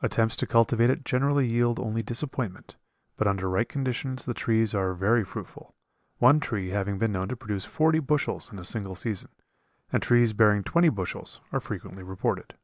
Attempts to cultivate it generally yield only disappointment, but under right conditions the trees are very fruitful, one tree having been known to produce forty bushels in a single season, and trees bearing twenty bushels are frequently reported.